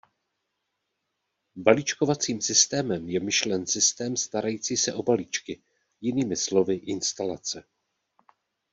Balíčkovacím systémem je myšlen systém starající se o balíčky, jinými slovy instalace.